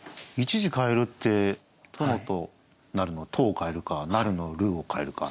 １字変えるって「殿となる」の「と」を変えるか「なる」の「る」を変えるか。